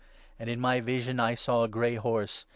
And in my vision I saw 8 a grey horse.